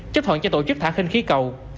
chấp thuận cho tổ chức thả khinh khí cầu